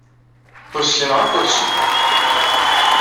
Ur ssineɣ akk ad ssewweɣ.